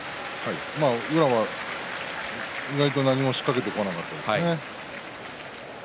宇良は意外と何も仕掛けてこなかったですね。